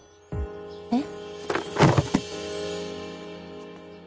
えっ？